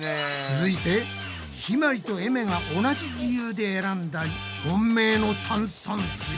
続いてひまりとえめが同じ理由で選んだ本命の炭酸水。